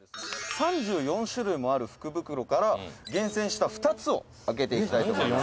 「３４種類もある福袋から厳選した２つを開けて頂きます」